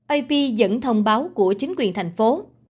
ap dẫn thông báo của chính quyền thành phố